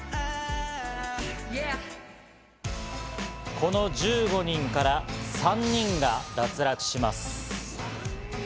この１５人から３人が脱落します。